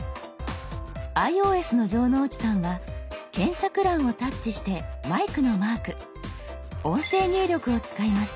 ｉＯＳの城之内さんは検索欄をタッチしてマイクのマーク音声入力を使います。